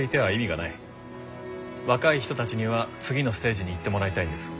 若い人たちには次のステージに行ってもらいたいんです。